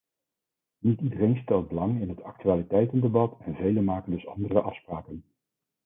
Niet iedereen stelt belang in het actualiteitendebat en velen maken dus andere afspraken.